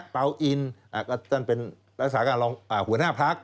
เปราอินอ่ะก็ท่านเป็นรัฐศาสตร์การหัวหน้าพลักษณ์